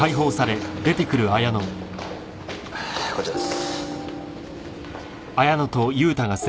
こちらです。